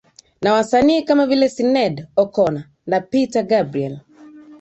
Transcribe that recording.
Na wasanii kama vile Sinead O Connor na Peter Gabriel